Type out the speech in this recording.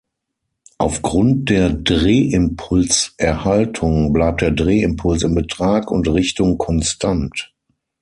Aufgrund der Drehimpulserhaltung bleibt der Drehimpuls in Betrag und Richtung konstant.